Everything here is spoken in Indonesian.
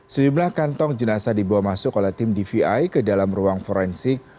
sejumlah kantong jenazah dibawa masuk oleh tim dvi ke dalam ruang forensik